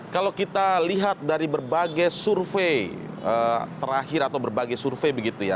kalau kita lihat dari berbagai survei terakhir atau berbagai survei begitu ya